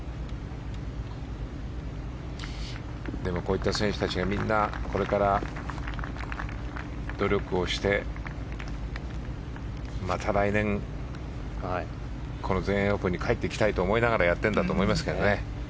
こういった選手たちがみんな、これから努力をして、また来年この全英オープンに帰ってきたいと思いながらやっているんだと思いますけどね。